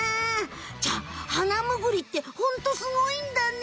じゃあハナムグリってホントすごいんだね！